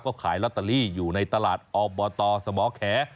ก็ขายลอตเตอรี่อยู่ในตลาดอบตสมแข